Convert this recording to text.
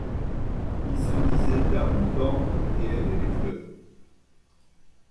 Il se disait d'âme tendre et aimait les fleurs.